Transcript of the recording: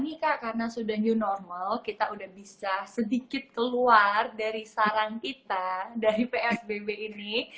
nih kak karena sudah new normal kita udah bisa sedikit keluar dari sarang kita dari psbb ini